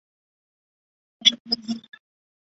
三好在畿内进入了全盛期。